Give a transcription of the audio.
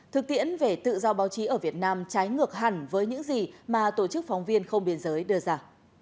thực tiễn về tự do báo chí ở việt nam trái ngược hẳn với những gì mà tổ chức phóng viên không biên giới đưa ra